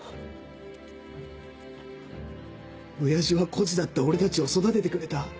親父は孤児だった俺たちを育ててくれた。